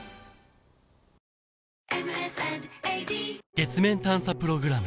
月面探査プログラム